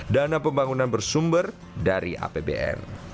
dana pembangunan bersumber dari apbn